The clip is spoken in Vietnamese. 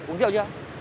uống rượu chưa